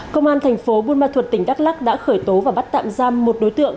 công an thành phố buôn ma thuật tỉnh đắk lắc đã khởi tố và bắt tạm giam một đối tượng